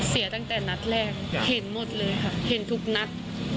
เสียตั้งแต่นัดแรกเห็นหมดเลยค่ะเห็นทุกนัด